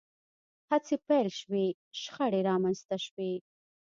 هڅې پیل شوې شخړې رامنځته شوې